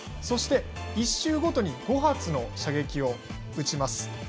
そして１周ごとに５発の射撃を撃ちます。